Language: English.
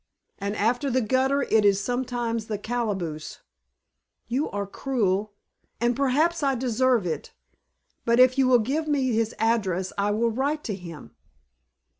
And after the gutter it is sometimes the calaboose." "You are cruel, and perhaps I deserve it. But if you will give me his address I will write to him."